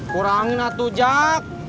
kurangin atuh jak